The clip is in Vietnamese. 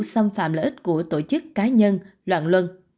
xâm phạm lợi ích của tổ chức cá nhân loạn luân